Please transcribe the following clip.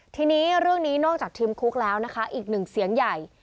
ทีนี้เรื่องนี้นอกจากทีมคุกแล้วนะคะอีกหนึ่งเสียงใหญ่